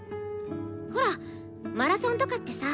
ほらマラソンとかってさ